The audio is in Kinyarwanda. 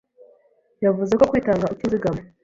yavuze ko kwitanga utizagama